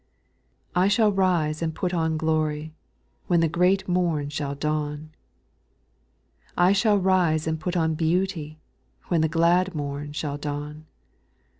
I shall rise and put on glory, When the great mom shall dawn ; I shall rise and put on beauty When the glad morn shall dawn.